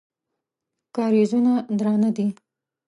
کارېزونه درانه دي.